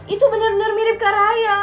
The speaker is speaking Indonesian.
itu bener bener mirip kak raya